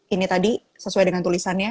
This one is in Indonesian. ini tadi sesuai dengan tulisannya